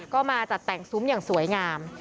ก็มาจัดแต่งซุ้มอย่างสวยงาม